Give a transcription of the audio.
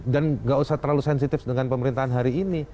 dan tidak usah terlalu sensitif dengan pemerintahan hari ini